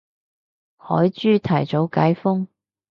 海珠提早解封